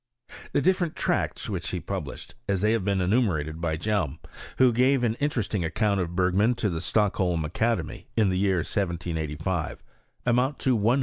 The different tracts which he published, as they have been enumerated by Hjelm, who gave an in , teresting account of Bergman to the Stockholm Academy in the year 1785, amount to 106.